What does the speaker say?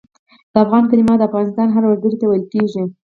د افغان کلمه د افغانستان هر وګړي ته ویل کېږي.